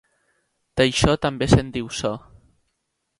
D'això també se'n diu so.